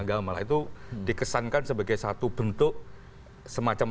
padahal wilayah itu ada beberapa daerah yang mendasarkan peraturan kedaerahannya berbasis agama